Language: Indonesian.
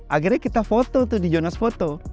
akhirnya kita foto tuh di jonas foto